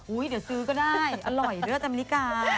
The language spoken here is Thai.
อุ้ยเดี๋ยวซื้อก็ได้อร่อยเหลือจำนิกา